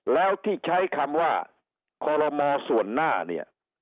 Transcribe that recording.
แล้วที่ใช้คำว่าคอลโลมอส่วนหน้าเนี่ย